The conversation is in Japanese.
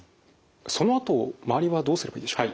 そのあと周りはどうすればいいでしょう？